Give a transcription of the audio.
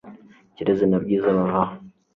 kirezi na bwiza bava aho